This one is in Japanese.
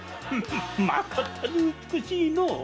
まことに美しいのう！